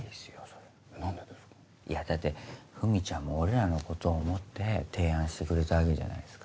いやだってふみちゃんも俺らのことを思って提案してくれたわけじゃないですか。